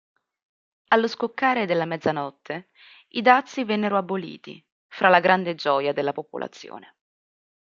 Allo scoccare della mezzanotte i dazi vennero aboliti fra la grande gioia della popolazione.